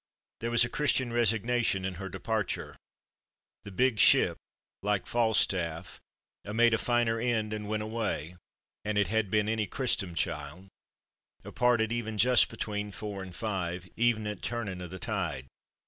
There was a Christian resignation in her departure. The big ship, like Falstaff, "'a made a finer end and went away, an it had been any christom child: 'a parted even just between" four and five, "ev'n at turning o' the tide."